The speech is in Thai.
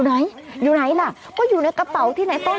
ช่วยเจียมช่วยเจียม